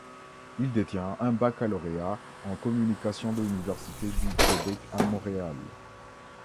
Il détient un baccalauréat en communication de l'Université du Québec à Montréal.